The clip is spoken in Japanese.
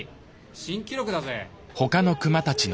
新記録だぜ。